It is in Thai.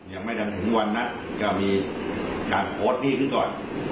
อย่างไม่ทำถึงวันนะจะมีการโพสต์พี่ขึ้นก่อน